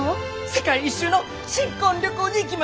世界一周の新婚旅行に行きましょう！